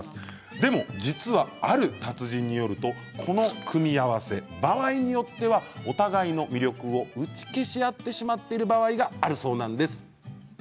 でも実はある達人によるとこの組み合わせ場合によっては、お互いの魅力を打ち消し合ってしまう場合があるそうなんです。